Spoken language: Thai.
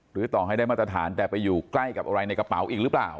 ต่อให้ได้มาตรฐานแต่ไปอยู่ใกล้กับอะไรในกระเป๋าอีกหรือเปล่า